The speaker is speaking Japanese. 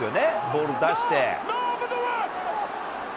ボール出して。